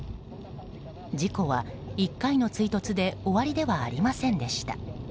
事故は、１回の追突で終わりではありませんでした。